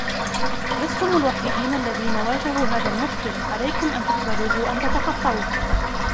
لستم الوحيدين الذين واجهوا هذا المشكل ، عليكم أن تقبلوه و أن تتخطوه.